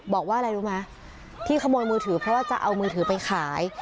บอกว่าอะไรรู้ไหมที่ขโมยมือถือเพราะว่าจะเอามือถือไปขาย